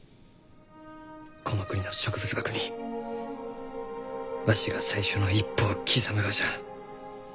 この国の植物学にわしが最初の一歩を刻むがじゃ。